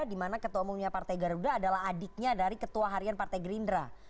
dimana ketua umumnya partai garuda adalah adiknya dari ketua harian partai gerindra